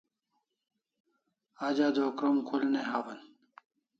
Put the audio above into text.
Aj adua krom khul ne hawan